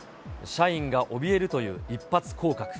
社員がおびえるという一発降格。